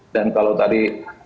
dan kalau tadi